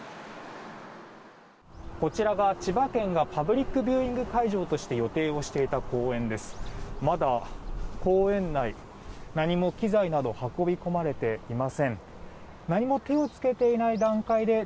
こちらが千葉県がパブリックビューイング会場として予定をしていた公園です。